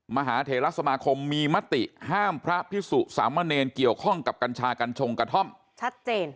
มหาเทรสมาคมมีมติห้ามพระพิสุสามเณรเกี่ยวข้องกับกัญชากัญชงกระท่อมชัดเจน